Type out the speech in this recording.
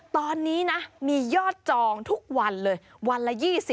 ตอนนี้นะมียอดจองทุกวันเลยวันละ๒๐